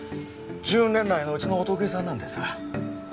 １０年来のうちのお得意さんなんですわ。